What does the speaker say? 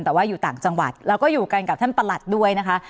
แต่ว่าอยู่ต่างจังหวัดแล้วก็อยู่กันกับท่านประหลัดด้วยนะคะ